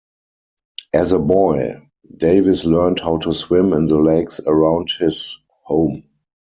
As a boy, Davis learned how to swim in the lakes around his home.